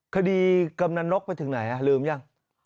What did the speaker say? กำนันนกไปถึงไหนลืมยัง